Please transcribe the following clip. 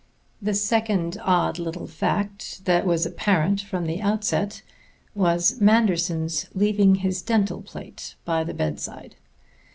The second odd little fact that was apparent from the outset was Manderson's leaving his dental plate by the bedside.